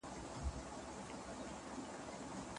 أبو جعفر الرازي له الربيع بن أنس څخه روايت کوي.